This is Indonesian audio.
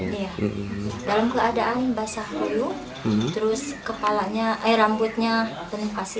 dalam keadaan basah ruju terus kepalanya air rambutnya penuh pasir